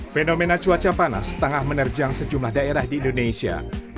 fenomena cuaca panas tengah menerjang sejumlah daerah di indonesia